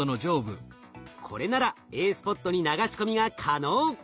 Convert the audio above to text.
これならＡスポットに流し込みが可能。